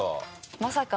まさか。